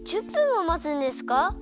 １０分もまつんですか？